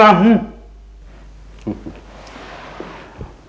aku ini mertuamu